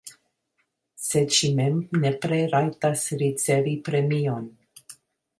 Sed ŝi mem nepre rajtas ricevi premion.